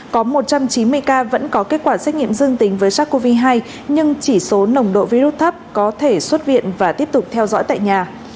có một trăm chín mươi ca vẫn có kết quả xét nghiệm dương tính với sars cov hai nhưng chỉ số nồng độ virus thấp có thể xuất viện và tiếp tục theo dõi tại nhà